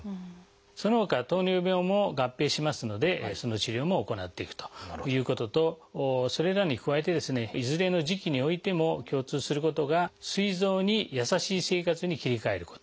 そのほか糖尿病も合併しますのでその治療も行っていくということとそれらに加えてですねいずれの時期においても共通することがすい臓に優しい生活に切り替えること。